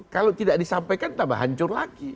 kalau tidak disampaikan tambah hancur lagi